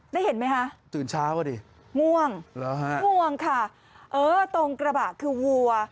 ได้เห็นไหมครับง่วงง่วงค่ะเออตรงกระบะคือวัว